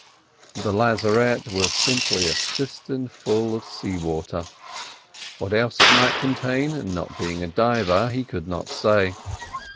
The lazarette was simply a cistern full of sea water; what else it might contain, not being a diver, he could not say.